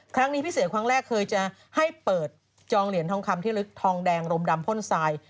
พิเศษครั้งแรกเคยจะให้เปิดจองเหรียญทองคำที่ลึกทองแดงรมดำพ่นทราย